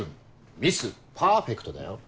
「ミス・パーフェクト」だよ？